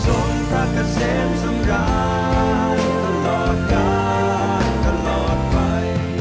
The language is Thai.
ส่งพระเกษตรสำราญตลอดกาลตลอดไป